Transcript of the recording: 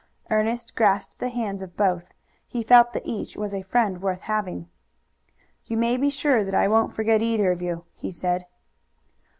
Ernest grasped the hands of both. He felt that each was a friend worth having. "You may be sure that I won't forget either of you," he said.